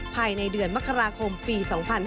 ภายในเดือนมกราคมปี๒๕๕๙